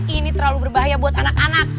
ini terlalu berbahaya buat anak anak